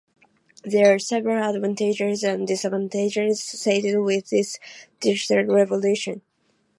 There are several advantages and disadvantages associated with this digital revolution.